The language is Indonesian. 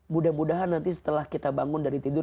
mudah mudahan nanti setelah kita bangun dari tidur